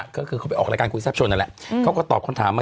เขาก็ไปออกรายการคุยทรัพย์ชน